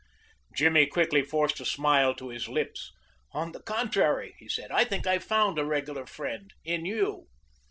Jimmy quickly forced a smile to his lips. "On the contrary," he said, "I think I've found a regular friend in you."